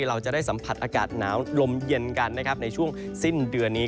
เราจะได้สัมผัสอากาศหนาวลมเย็นกันนะครับในช่วงสิ้นเดือนนี้